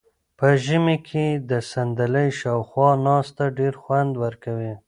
په ژمي کې د صندلۍ شاوخوا ناسته ډېر خوند ورکوي.